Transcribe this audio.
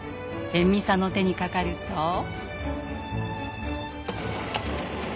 延味さんの手にかかると。